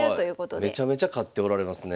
すごい。めちゃめちゃ勝っておられますね。